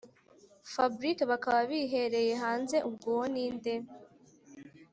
fabric bakaba bihereye hanze ubwo uwo ninde